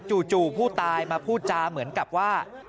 จู่ผู้ตายมาพูดจาเหมือนกับว่า